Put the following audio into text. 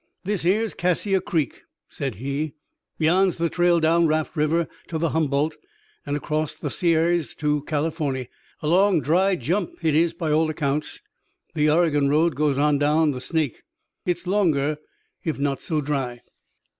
"This here's Cassia Creek," said he. "Yan's the trail down Raft River ter the Humboldt and acrost the Sierrys ter Californy. A long, dry jump hit is, by all accounts. The Oregon road goes on down the Snake. Hit's longer, if not so dry."